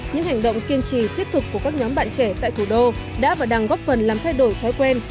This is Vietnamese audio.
những hành động kiên trì thiết thực của các nhóm bạn trẻ tại thủ đô đã và đang góp phần làm thay đổi thói quen